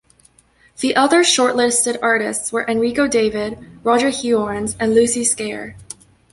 The other shortlisted artists were Enrico David, Roger Hiorns and Lucy Skaer.